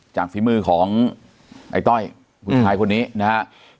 ฝีมือของไอ้ต้อยผู้ชายคนนี้นะครับ